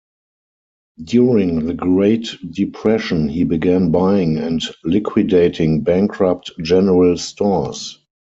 During the Great Depression, he began buying and liquidating bankrupt general stores.